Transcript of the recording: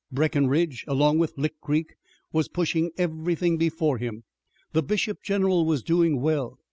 Breckinridge, along Lick Creek, was pushing everything before him. The bishop general was doing well.